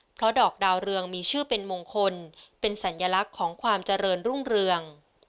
เพราะดอกดาวเรืองมีชื่อเป็นมงคลเป็นสัญลักษณ์ของความเจริญรุ่งเรือง